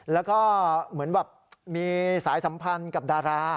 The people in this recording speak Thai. แล้วก็เหมือนแบบมีสายสัมพันธ์กับดารา